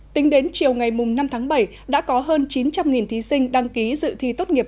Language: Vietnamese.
tính đến chiều ngày năm tháng bảy đã có hơn chín trăm linh thí sinh đăng ký dự thi tốt nghiệp